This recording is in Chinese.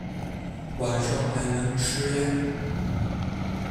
晚上还能吃啊